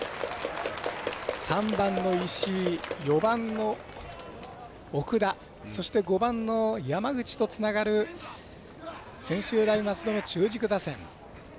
３番の石井、４番の奥田そして５番の山口とつながる専修大松戸の中軸打線。